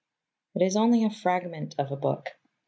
It is only a fragment of a book.